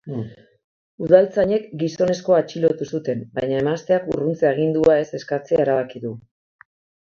Udaltzainek gizonezkoa atxilotu zuten, baina emazteak urruntze agindua ez eskatzea erabaki du.